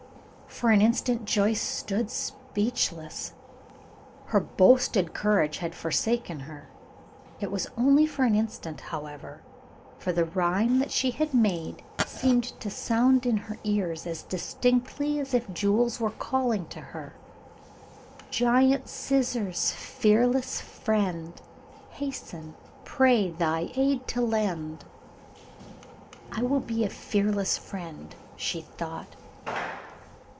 For an instant Joyce stood speechless. Her boasted courage had forsaken her. It was only for an instant, however, for the rhyme that she had made seemed to sound in her ears as distinctly as if Jules were calling to her: "Giant scissors, fearless friend, Hasten, pray, thy aid to lend." "I will be a fearless friend," she thought.